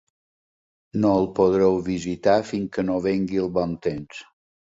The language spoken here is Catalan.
No el podreu visitar fins que no vingui el bon temps.